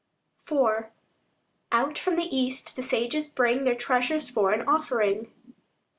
IV Out from the east the sages bring Their treasures for an offering.